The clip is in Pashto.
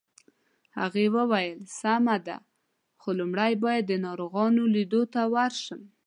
هغې وویل: سمه ده، خو لومړی باید د ناروغانو لیدو ته ورشم.